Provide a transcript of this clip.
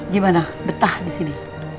gimana betah disini